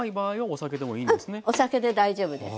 お酒で大丈夫です。